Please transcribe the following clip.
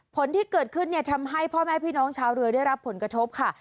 ผลที่เกิดขึ้นเนี่ยทำให้พ่อแม่พี่น้องชาวเรือได้รับผลกระทบค่ะ